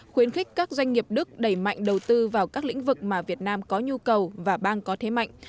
khuyến khích các doanh nghiệp đức đẩy mạnh đầu tư vào các lĩnh vực mà việt nam có nhu cầu và bang có thế mạnh